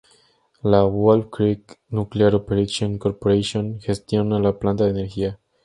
La "Wolf Creek Nuclear Operating Corporation" gestiona la planta de energía.